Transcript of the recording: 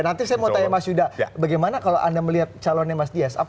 nanti saya mau tanya mas yuda bagaimana kalau anda melihat calonnya mas dias